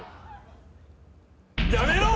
やめろ！